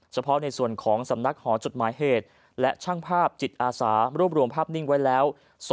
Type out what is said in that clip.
เฉพาะในส่วนของสำนักหอจดหมายเหตุและช่างภาพจิตอาสารวบรวมภาพนิ่งไว้แล้ว